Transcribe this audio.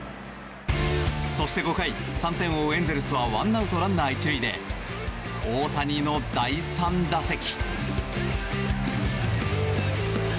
そして、５回３点を追うエンゼルスはワンアウトランナー１塁で大谷の第３打席。